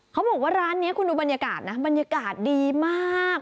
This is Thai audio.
เขาบอกว่าร้านนี้คุณดูบรรยากาศนะบรรยากาศดีมาก